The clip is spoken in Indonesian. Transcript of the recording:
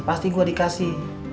pasti gue dikasih